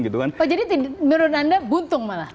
jadi menurut anda buntung malah